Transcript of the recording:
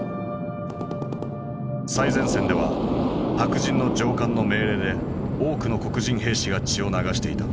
最前線では白人の上官の命令で多くの黒人兵士が血を流していた。